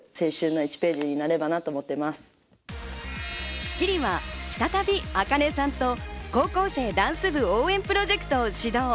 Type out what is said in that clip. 『スッキリ』は再びａｋａｎｅさんと高校生ダンス部応援プロジェクトを始動。